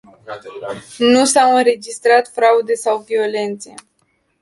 Nu s-au înregistrat fraude sau violențe.